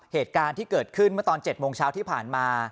เหตุการณ์ที่เกิดขึ้นเมื่อตอน๗โมงเช้าที่ผ่านมา